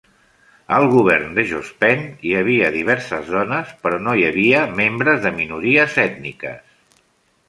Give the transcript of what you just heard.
Al govern de Jospin hi havia diverses dones, però no hi havia membres de minories ètniques.